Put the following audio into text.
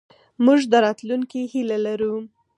موږ د راتلونکې هیله لرو.